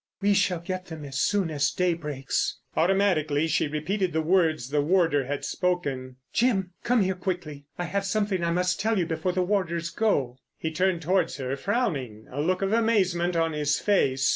"We shall get them as soon as day breaks." Automatically she repeated the words the warder had spoken. "Jim, come here quickly. I have something I must tell you before the warders go." He turned towards her, frowning, a look of amazement on his face.